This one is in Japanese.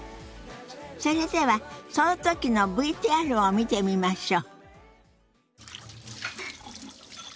それではその時のＶＴＲを見てみましょう。